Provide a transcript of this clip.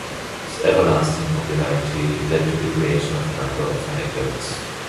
His everlasting popularity led to the creation of a number of anecdotes.